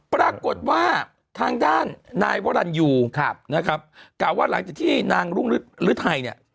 ปรากฏว่าทางด้านนายวรรณยูนะครับกล่าวว่าหลังจากที่นางรุ่งฤทัยเนี่ย